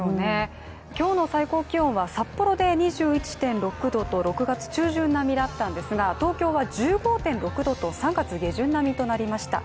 今日の最高気温は札幌で２１．６℃と６月中旬並みだったんですが東京は１５．６℃と３月下旬並みとなりました。